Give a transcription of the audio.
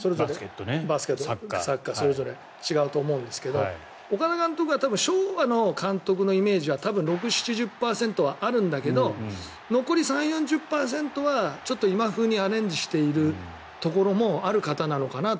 バスケ、サッカーそれぞれ違うと思うんですが岡田監督は昭和の監督のイメージ多分、６０７０％はあるんだけど残りの３０４０％は今風にアレンジしているところもある方なのかなと。